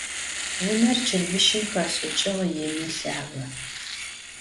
Vuner çırbışım xeş'ıç'ığ, yinı, lhage.